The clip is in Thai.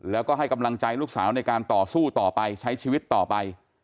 แล้วก็ให้กำลังใจลูกสาวในการต่อสู้ต่อไปใช้ชีวิตต่อไป